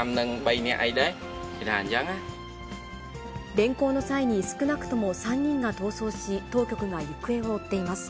連行の際に少なくとも３人が逃走し、当局が行方を追っています。